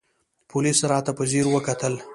پوليس راته په ځير وکتل.